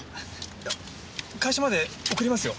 いや会社まで送りますよ。